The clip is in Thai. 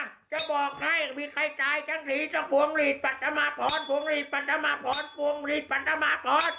นะจะบอกให้มีใครจ่ายฉันดีต้องฟวงหลีดปัจจัมหาพรฟวงหลีดปัจจัมหาพรฟวงหลีดปัจจัมหาพร